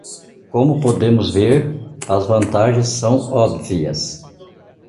Como podemos ver, as vantagens são óbvias.